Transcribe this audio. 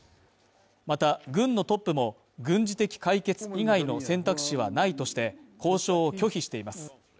また、軍のトップも、軍事的解決以外の選択肢はないとして交渉を拒否しています。